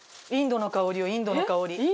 インドの香りよ、インドの香り。